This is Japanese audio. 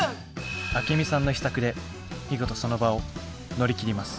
アケミさんの秘策で見事その場を乗り切ります。